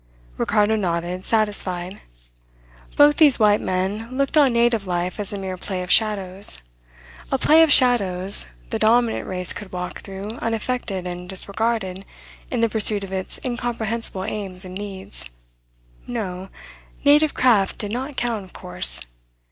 Ricardo nodded, satisfied. Both these white men looked on native life as a mere play of shadows. A play of shadows the dominant race could walk through unaffected and disregarded in the pursuit of its incomprehensible aims and needs. No. Native craft did not count, of course.